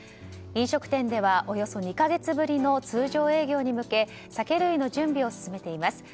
飲食店ではおよそ２か月ぶりの通常営業に向け酒類の準備を進めています。